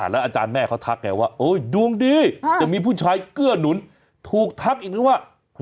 แล้วอาจารย์แม่เขาทักไงว่าดวงดีจะมีผู้ชายเกื้อหนุนถูกทักอีกหรือว่า